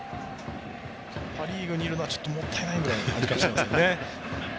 パ・リーグにいるのはちょっともったいないという気がしますね。